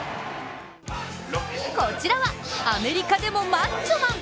こちらはアメリカでもマッチョマン。